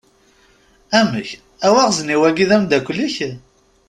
Amek, awaɣzeniw-agi d ameddakel-ik?